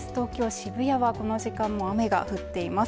渋谷はこの時間も雨が降っています。